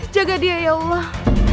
jaga dia ya allah